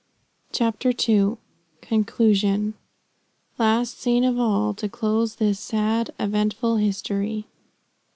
CHAPTER II. CONCLUSION. "Last scene of all To close this sad, eventful history."